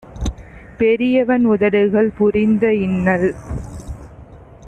பெரியவன் உதடுகள் புரிந்த இன்னல்